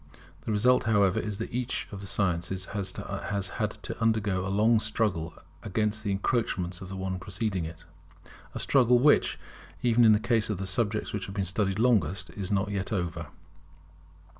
The result, however, is that each of the sciences has to undergo a long struggle against the encroachments of the one preceding it; a struggle which, even in the case of the subjects which have been studied longest, is not yet over.